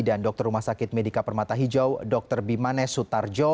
dan dokter rumah sakit medika permata hijau dr bima nesli